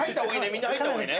みんな入った方がいいね。